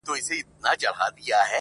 • تنها نوم نه چي خِصلت مي د انسان سي..